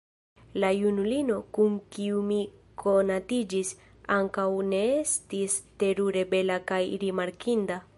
La junulino kun kiu mi konatiĝis, ankaŭ ne estis terure bela kaj rimarkinda.